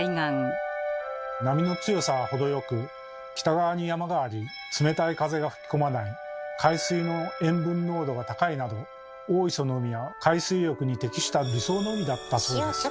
波の強さがほどよく北側に山があり冷たい風が吹き込まない海水の塩分濃度が高いなど大磯の海は海水浴に適した理想の海だったそうです。